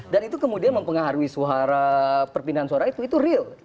dan itu kemudian mempengaruhi suara perpindahan suara itu itu real